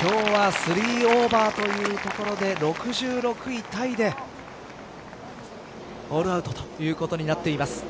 今日は３オーバーというところで６６位タイでホールアウトということになっています。